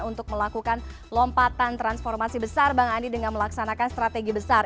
untuk melakukan lompatan transformasi besar bang andi dengan melaksanakan strategi besar